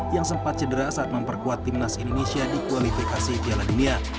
yang sempat cedera saat memperkuat timnas indonesia di kualifikasi piala dunia